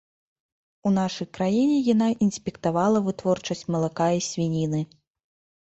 У нашай краіне яна інспектавала вытворчасць малака і свініны.